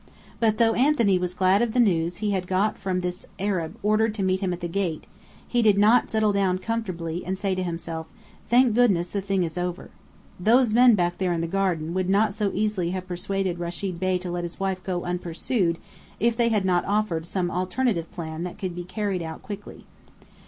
But though Anthony was glad of the news he had got from this Arab ordered to meet him at the gate, he did not settle down comfortably and say to himself: "Thank goodness, the thing is over." Those men back there in the garden would not so easily have persuaded Rechid Bey to let his wife go unpursued, if they had not offered some alternative plan that could be carried out quickly.